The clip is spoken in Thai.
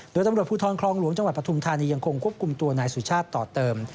โดยตำรวจภูทรคลองหลวงจังหวัดปฐุมธานียังคงควบคุมตัวนายสุชาติต่อเติม